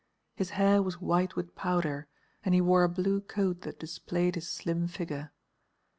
His hair was white with powder and he wore a blue coat that displayed his slim figure.